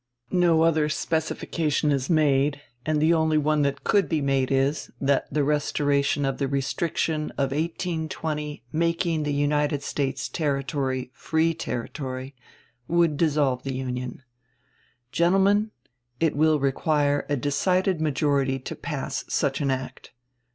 No other specification is made, and the only one that could be made is, that the restoration of the restriction of 1820 making the United States territory free territory would dissolve the Union. Gentlemen, it will require a decided majority to pass such an act.